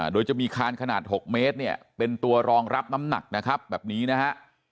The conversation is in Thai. โดยจะมีคานขนาด๖เมตรเนี่ยเป็นตัวรองรับน้ำหนักนะครับแบบนี้นะฮะ